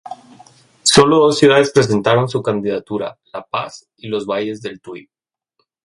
Solo dos ciudades presentaron su candidatura: La Paz y los Valles del Tuy.